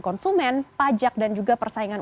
konsumen pajak dan juga persaingan